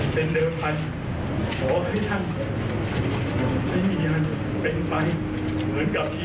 เป็นเดินผ่านในการกระทำของผมทั้งนี้